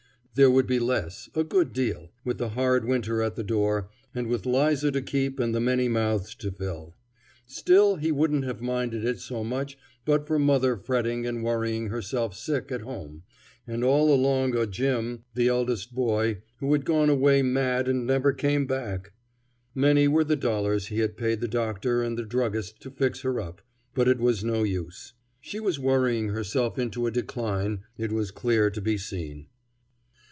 There would be less, a good deal, with the hard winter at the door, and with 'Liza to keep and the many mouths to fill. Still, he wouldn't have minded it so much but for mother fretting and worrying herself sick at home, and all along o' Jim, the eldest boy, who had gone away mad and never come back. Many were the dollars he had paid the doctor and the druggist to fix her up, but it was no use. She was worrying herself into a decline, it was clear to be seen.